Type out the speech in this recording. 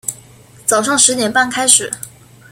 早上十点半开始